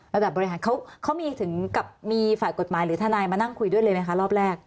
ระดับบริหารเขามีถึงกับมีฝ่ายกฎหมายหรือทนายมานั่งคุยด้วยเลยไหมคะรอบแรก